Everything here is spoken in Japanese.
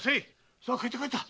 さあ帰った帰った！